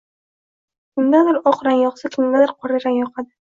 Kimgadir oq rang yoqsa, kimgadir qora rang yoqadi